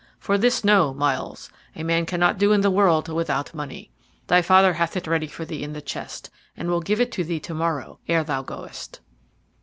For this know, Myles, a man cannot do in the world without money. Thy father hath it ready for thee in the chest, and will give it thee to morrow ere thou goest."